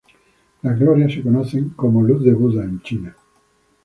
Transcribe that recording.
Las glorias se conocen como "Luz de Buda" en China.